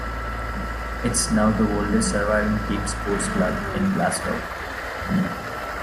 It is now the oldest surviving team sports club in Glasgow.